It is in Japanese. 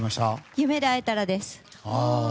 「夢で逢えたら」です。